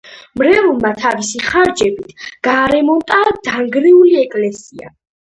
მრევლმა თავისი ხარჯებით გაარემონტა დანგრეული ეკლესია.